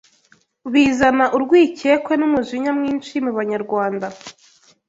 bizana urwikekwe n’umujinya mwinshi mu Banyarwanda